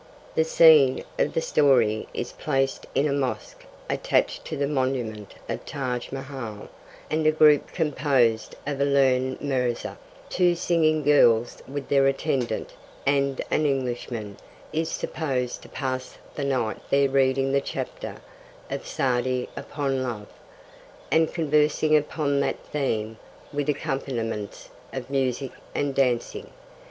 The scene of the story is placed in a mosque attached to the monument of the Taj Mahal, and a group composed of a learned Mirza, two singing girls with their attendant, and an Englishman, is supposed to pass the night there reading the chapter of Sa'di upon 'Love,' and conversing upon that theme with accompaniments of music and dancing.